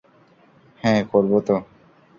হ্যাঁঁ, করবো তো।